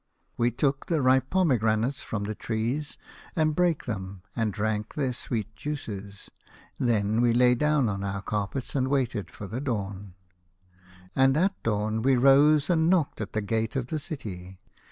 We took the ripe pomegranates from the trees, and brake them and drank their sweet juices. Then we lay down on our carpets and waited for the dawn. "And at dawn we rose and knocked at the gate of the city.